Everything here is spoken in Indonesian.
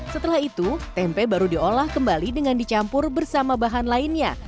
setelah itu tempe baru diolah kembali dengan dicampur bersama bahan lainnya